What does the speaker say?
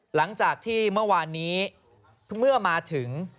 หลังจากที่เมื่อวานนี้เมื่อมาถึง